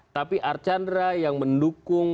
tapi archandra yang mendukung